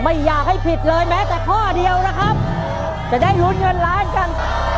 ไม่อยากให้ผิดเลยแม้แต่ข้อเดียวนะครับจะได้ลุ้นเงินล้านกัน